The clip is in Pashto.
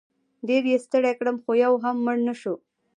ډېر یې ستړی کړم خو یو هم مړ نه شو.